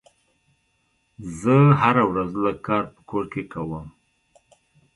زه هره ورځ لږ کار په کور کې کوم.